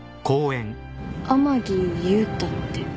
天樹勇太って。